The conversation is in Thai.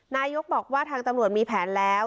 นายกบอกว่าทางตำรวจมีแผนแล้ว